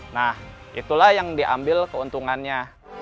nah itulah yang diambil keuntungannya